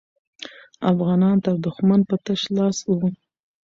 افغانان تر دښمن په تش لاس وو.